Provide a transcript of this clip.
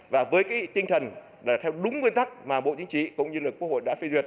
và với cái tinh thần là theo đúng nguyên tắc mà bộ chính trị cũng như là quốc hội đã phê duyệt